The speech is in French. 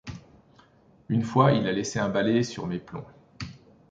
Une fois, il a laissé un balai sur mes plombs.